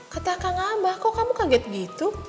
kata kak ngabah kok kamu kaget gitu